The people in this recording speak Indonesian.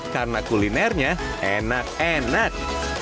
karena kulinernya enak enak